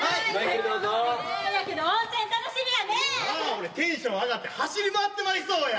俺テンション上がって走り回ってまいそうや。